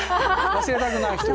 忘れたくない人は。